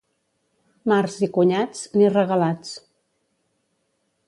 Març i cunyats, ni regalats.